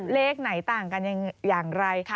เลขไหนต่างกันอย่างไร